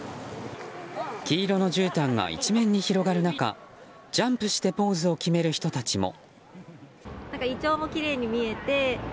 黄色のじゅうたんが一面に広がる中ジャンプしてポーズを決める人たちも。